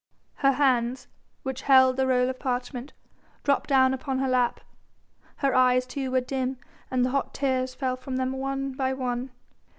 Her hands, which held the roll of parchment, dropped down upon her lap. Her eyes too were dim and the hot tears fell from them one by one.